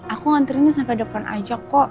aku nganterinnya sampai depan aja kok